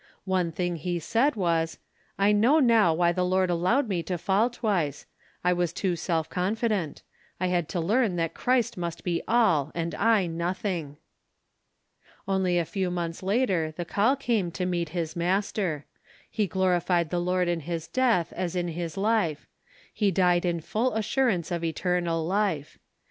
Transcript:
One thing he said was, "I know now why the Lord allowed me to fall twice. I was too self confident. I had to learn that Christ must be all and I nothing." Only a few months later the call came to meet his Master. He glorified the Lord in his death as in his life; he died in full assurance of Eternal Life.